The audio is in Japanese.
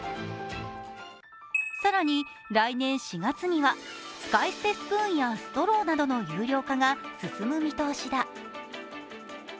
更に、来年４月には使い捨てスプーンやストローなどの有料化が進む見通しだ。